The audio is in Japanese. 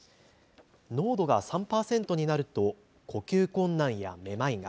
濃度が３％になると呼吸困難やめまいが、